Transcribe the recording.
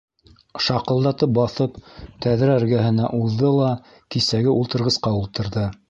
Шаҡылдатып баҫып, тәҙрә эргәһенә уҙҙы ла кисәге ултырғысҡа ултырҙы.